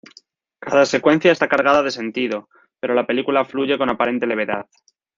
Cada secuencia está cargada de sentido, pero la película fluye con aparente levedad.